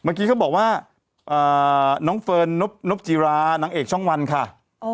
เมื่อกี้เขาบอกว่าหนอเฟิร์นนกจีรานางเอกช่องวันค่ะ